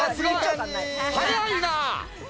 速いな！